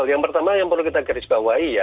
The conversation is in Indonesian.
yang pertama yang perlu kita garisbawahi ya